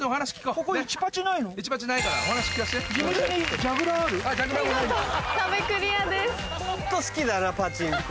ホント好きだなパチンコ。